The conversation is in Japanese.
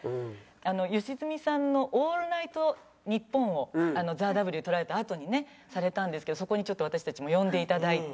吉住さんの『オールナイトニッポン』をＴＨＥＷ取られたあとにねされたんですけどそこにちょっと私たちも呼んで頂いて。